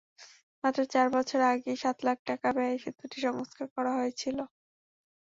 মাত্র চার বছর আগেই সাত লাখ টাকা ব্যয়ে সেতুটি সংস্কার করা হয়েছিল।